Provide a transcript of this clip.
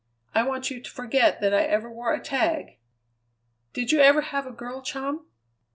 I want you to forget that I ever wore a tag. Did you ever have a girl chum?"